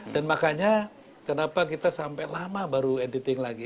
dan makanya kenapa kita sampai lama baru editing lagi